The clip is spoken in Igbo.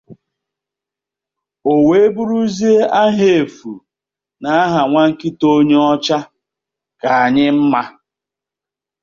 o wee bụrụzie aha éfù na aha nwa nkịta onye ọcha ka anyị mma?